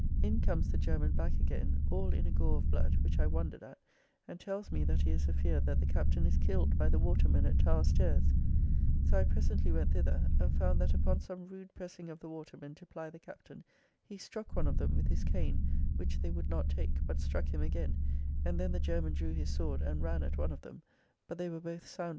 in comes the German back again, all in a goare of blood, which I wondered at, and tells me that he is afeard that the Captain is killed by the watermen at Towre Stayres; so I presently went thither, and found that upon some rude pressing of the watermen to ply the Captain, he struck one of them with his cane, which they would not take, but struck him again, and then the German drew his sword and ran at one of them, but they were both soundly beaten.